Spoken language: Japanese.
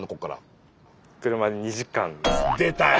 出たよ。